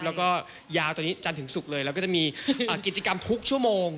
แล้วก็ยาวตอนนี้จันทร์ถึงศุกร์เลยเราก็จะมีกิจกรรมทุกชั่วโมง